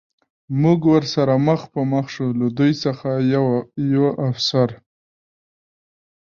موږ ورسره مخ په مخ شو، له دوی څخه یوه افسر.